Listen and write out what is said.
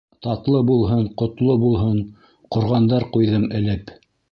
Татлы булһын, ҡотло булһын, Ҡорғандар ҡуйҙым элеп.